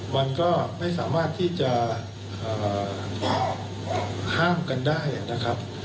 มันก็ไม่สามารถที่จะห้ามกันได้นะครับ